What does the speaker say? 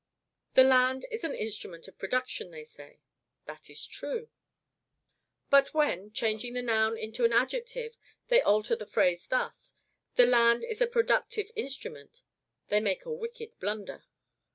"The land is an instrument of production," they say. That is true. But when, changing the noun into an adjective, they alter the phrase, thus, "The land is a productive instrument," they make a wicked blunder.